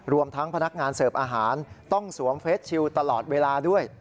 รวมทั้งพนักงานเสิร์ฟอาหารต้องสวมเฟสชิลตลอดเวลาด้วย